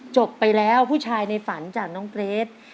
จบไปแล้วผู้ชายในฝันจากน้องเกรท